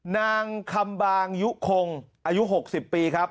นางคำบางยุคงอายุ๖๐ปีครับ